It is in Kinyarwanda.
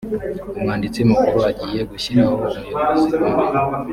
umwanditsi mukuru agiyegushyiraho umuyobozi umwe